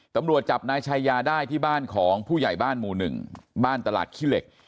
ตำรวจจับนายชายาได้ที่บ้านของผู้ใหญ่บ้านหมู่๑บ้านตลาดขี้เหล็ก